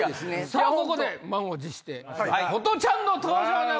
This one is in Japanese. さぁここで満を持してホトちゃんの登場です。